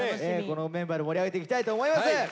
このメンバーで盛り上げていきたいと思います。